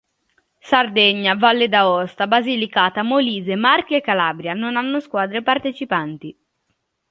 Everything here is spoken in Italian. Sardegna, Valle d'Aosta, Basilicata, Molise, Marche e Calabria non hanno squadre partecipanti.